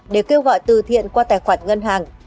để kêu gọi từ thiện qua tài khoản ngân hàng